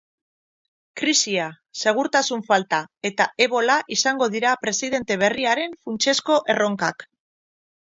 Krisia, segurtasun falta eta ebola izango dira presidente berriaren funtsezko erronkak.